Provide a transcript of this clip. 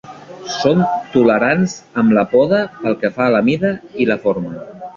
Són tolerants amb la poda pel que fa a la mida i la forma.